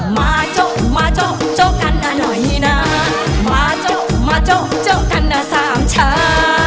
มาโจ๊ะมาโจ๊ะโจ๊ะกันอ่ะหน่อยน่ะมาโจ๊ะมาโจ๊ะโจ๊ะกันอ่ะสามชา